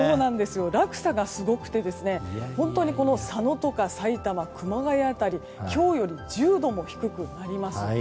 落差がすごくて本当に佐野とかさいたま、熊谷辺り今日より１０度も低くなります。